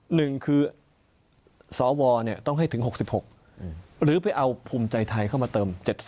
หนึ่งคือสวต้องให้ถึง๖๖หรือไปเอาภูมิใจไทยเข้ามาเติม๗๐